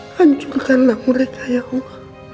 hancurkanlah mereka ya allah